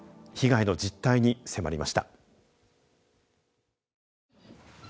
被害の実態に迫りました。